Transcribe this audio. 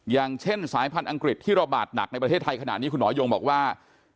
อย่างเช่นสายพันธุ์อังกฤษที่ระบาดหนักในประเทศไทยขณะนี้คุณหมอยงบอกว่า